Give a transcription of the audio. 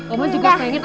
oma juga pengen